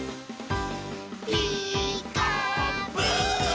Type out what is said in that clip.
「ピーカーブ！」